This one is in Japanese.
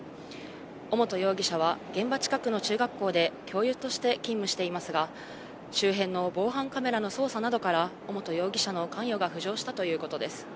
尾本容疑者は、現場近くの中学校で教諭として勤務していますが、周辺の防犯カメラの捜査などから、尾本容疑者の関与が浮上したということです。